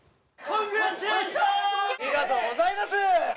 ありがとうございます。